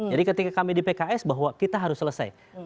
jadi ketika kami di pks bahwa kita harus selesai